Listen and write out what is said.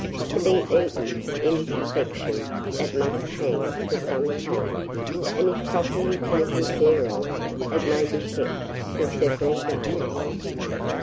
To be eaten in perfection, it must hang for some time; and, if properly taken care of, it may be kept for several days.